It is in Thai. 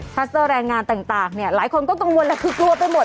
ัสเตอร์แรงงานต่างเนี่ยหลายคนก็กังวลแหละคือกลัวไปหมด